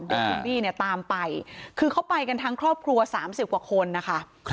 เด็กบิเนี่ยตามไปคือเขาไปกันทั้งครอบครัวสามสิบกว่าคนนะคะ